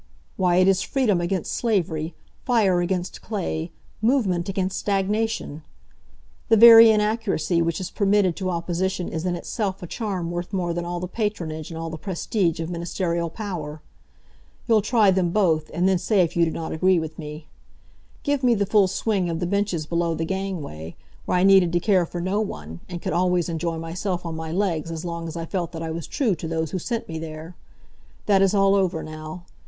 Why, it is freedom against slavery, fire against clay, movement against stagnation! The very inaccuracy which is permitted to opposition is in itself a charm worth more than all the patronage and all the prestige of ministerial power. You'll try them both, and then say if you do not agree with me. Give me the full swing of the benches below the gangway, where I needed to care for no one, and could always enjoy myself on my legs as long as I felt that I was true to those who sent me there! That is all over now.